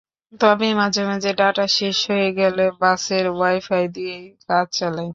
তবে মাঝে মাঝে ডাটা শেষ হয়ে গেলে বাসের ওয়াই-ফাই দিয়েই কাজ চালাই।